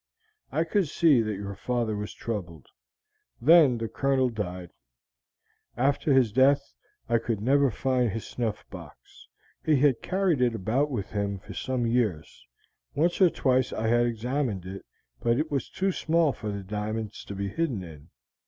I could see that your father was troubled. Then the Colonel died. After his death I could never find his snuff box; he had carried it about with him for some years; once or twice I had examined it, but it was too small for the diamonds to be hidden in.